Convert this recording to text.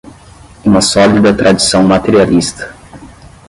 uma sólida tradição materialista